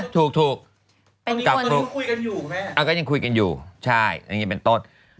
ถูกกับฟลุ๊กก็ยังคุยกันอยู่ใช่อย่างนี้เป็นต้น